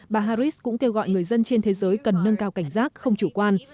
bà harris cũng kêu gọi người dân trên thế giới cần nâng cao cảnh giác không chủ quan